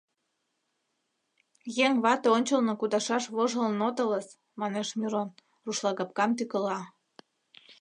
Еҥ вате ончылно кудашаш вожылын отылыс, — манеш Мирон, рушлагапкам тӱкыла.